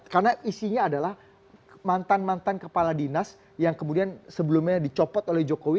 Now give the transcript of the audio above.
karena isinya adalah mantan mantan kepala dinas yang kemudian sebelumnya dicopot oleh jokowi